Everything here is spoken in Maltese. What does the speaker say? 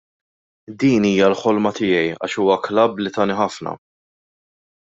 Din hija l-ħolma tiegħi għax huwa klabb li tani ħafna.